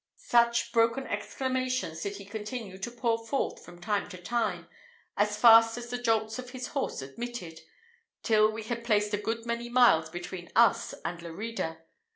Such broken exclamations did he continue to pour forth from time to time, as fast as the jolts of his horse admitted, till we had placed a good many miles between us and Lerida.